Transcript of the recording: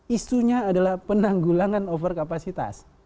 isunya adalah penanggulangan overkapasitas